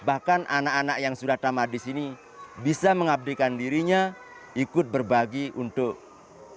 dan bahkan anak anak yang sudah tamat disini bisa mengabdikan dirinya ikut berbagi untuk pendidikan